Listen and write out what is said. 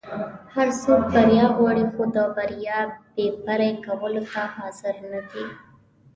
هر څوک بریا غواړي خو د بریا بیی پری کولو ته حاضر نه دي.